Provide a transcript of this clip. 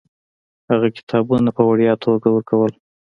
هغه کتابونه په وړیا توګه ورکول.